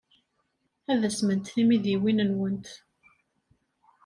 Ad asment tmidiwin-nwent.